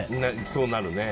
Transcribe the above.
そうなるね。